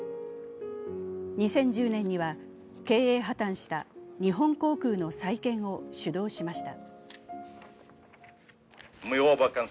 ２０１０年には経営破綻した日本航空の再建を主導しました。